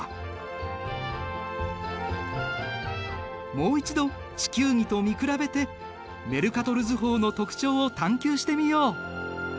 もう一度地球儀と見比べてメルカトル図法の特徴を探究してみよう。